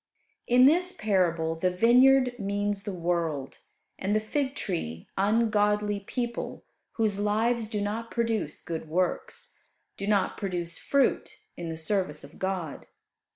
In this parable the vineyard means the world, and the fig tree ungodly people whose lives do not produce good works do not produce fruit in the service of God.